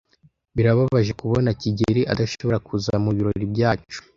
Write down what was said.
Birababaje kubona kigeli adashobora kuza mubirori byacu.